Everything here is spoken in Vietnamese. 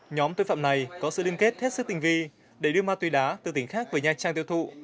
nhóm tội phạm này có sự liên kết thét sức tình vi để đưa ma túy đá từ tỉnh khác về nhà trang tiêu thụ